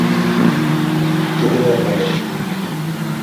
Gelibermeli